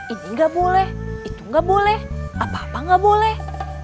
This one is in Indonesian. ini nggak boleh itu nggak boleh apa apa nggak boleh